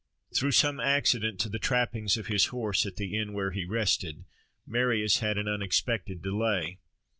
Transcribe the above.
Through some accident to the trappings of his horse at the inn where he rested, Marius had an unexpected delay.